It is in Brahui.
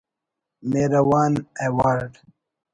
مہران ایوارڈ